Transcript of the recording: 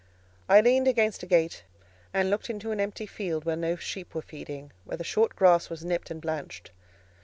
I leaned against a gate, and looked into an empty field where no sheep were feeding, where the short grass was nipped and blanched.